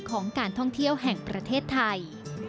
ของการท่องเที่ยวแห่งประเทศไทย